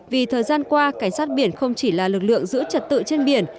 vì thời gian qua cảnh sát biển không chỉ là lực lượng giữ trật tự trên biển